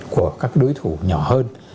của các đối thủ nhỏ hơn